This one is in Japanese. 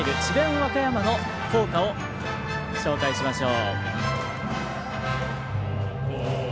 和歌山の校歌を紹介しましょう。